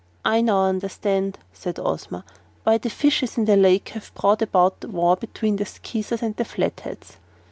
"I now understand," said Ozma, "why the fishes in the lake have brought about war between the Skeezers and the Flatheads."